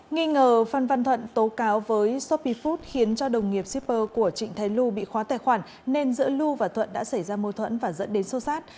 nghĩ ngờ phan văn thuận tố cáo với shopee food khiến cho đồng nghiệp shipper của trịnh thái lu bị khóa tài khoản nên giữa lu và thuận đã xảy ra mâu thuẫn và dẫn đến sâu sát